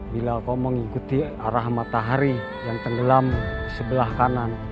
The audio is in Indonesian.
bila kau mengikuti arah matahari yang tenggelam sebelah kanan